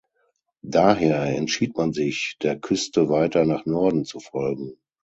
Daher entschied man sich, der Küste weiter nach Norden zu folgen.